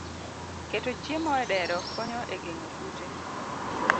Keto chiemo e dero konyo e geng'o kute